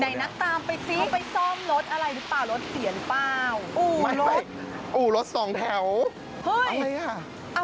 เจอแล้วไม่แล้ว